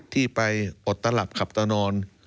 ที่ไปอดตระหลับขับตอน